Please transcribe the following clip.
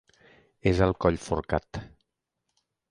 És al Coll Forcat.